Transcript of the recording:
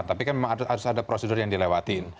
tapi kan memang harus ada prosedur yang dilewatin